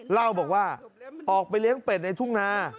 เล่าบอกว่าออกไปเลี้ยงเป็ดในทุ่งนา